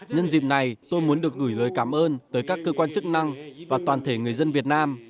nhân dịp này tôi muốn được gửi lời cảm ơn tới các cơ quan chức năng và toàn thể người dân việt nam